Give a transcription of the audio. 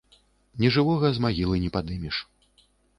Нежывога з магілы не падымеш.